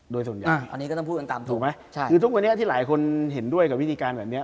โดยส่วนใหญ่อันนี้ก็ต้องพูดกันตามถูกไหมใช่คือทุกวันนี้ที่หลายคนเห็นด้วยกับวิธีการแบบนี้